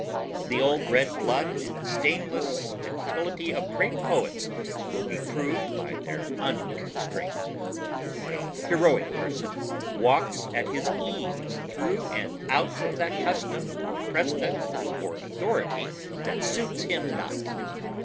The old red blood and stainless gentility of great poets will be proved by their unconstraint. A heroic person walks at his ease through and out of that custom or precedent or authority that suits him not.